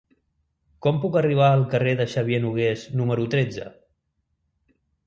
Com puc arribar al carrer de Xavier Nogués número tretze?